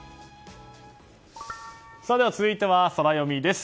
続いてはソラよみです。